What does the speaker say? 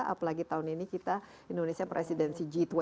apalagi tahun ini kita indonesia presidensi g dua puluh